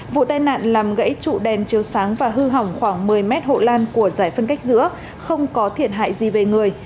vụ tai nạn làm gãy trụ đèn chiếu sáng và hư hỏng khoảng một mươi mét hộ lan của giải phân cách giữa không có thiệt hại gì về người